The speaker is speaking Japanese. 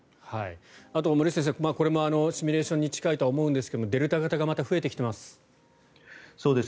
あと森内先生これもシミュレーションに近いと思いますがデルタ型がまた増えてきています。